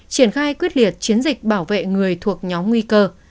triển khai quyết liệt chiến dịch bảo vệ người thuộc nhóm nguy cơ